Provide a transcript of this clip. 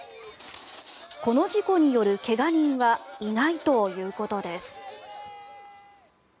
この事故による怪我人はいないということです。